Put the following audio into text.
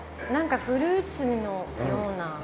なんかフルーツのような。